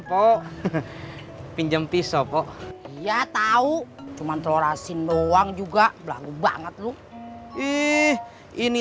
pok pinjem pisau pok ya tahu cuman telur asin doang juga berlalu banget lu ih ini